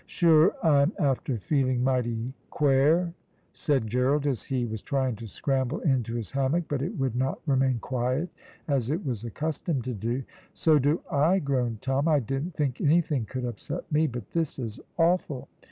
"Sure I'm after feeling mighty quare," said Gerald, as he was trying to scramble into his hammock, but it would not remain quiet as it was accustomed to do. "So do I," groaned Tom, "I didn't think anything could upset me, but this is awful."